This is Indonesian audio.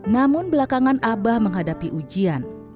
namun belakangan abah menghadapi ujian